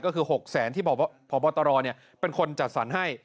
ก็คือ๖๐๐๐๐๐บาทที่พตรเป็นคนจัดสรรให้